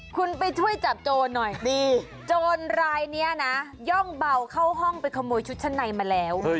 คุณไปช่วยจับโจรหน่อยดีโจรรายนี้นะย่องเบาเข้าห้องไปขโมยชุดชั้นในมาแล้ว